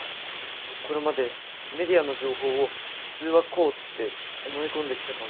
これまでメディアの情報を「普通はこう」って思い込んできたかも。